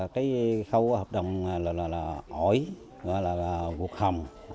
cái khâu hợp đồng là ổi gọi là vụt hồng